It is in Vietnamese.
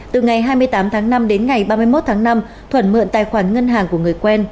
từ ngày hai mươi tám tháng năm đến ngày ba mươi một tháng năm thuận mượn tài khoản ngân hàng của người quen